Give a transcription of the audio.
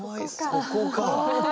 そこか！